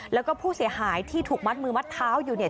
แล้วก็ผู้เสียหายที่ถูกมัดมือมัดเท้าอยู่เนี่ย